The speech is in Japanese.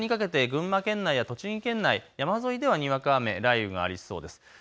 夕方にかけて群馬県内や栃木県内、山沿いではにわか雨、雷雨がありそうです。